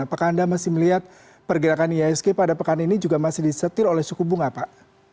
apakah anda masih melihat pergerakan ihsg pada pekan ini juga masih disetir oleh suku bunga pak